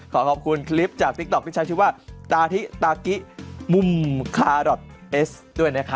ขอขอบคุณคลิปจากทิจัยชื่อว่าตาทิตากิมุมคาเอสด้วยนะคะ